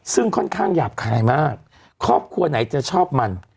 ซึ่งค่อนข้างหยาบคายมากครอบครัวไหนจะชอบมัน